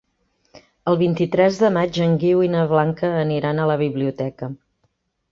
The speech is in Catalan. El vint-i-tres de maig en Guiu i na Blanca aniran a la biblioteca.